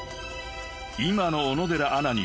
［今の小野寺アナに］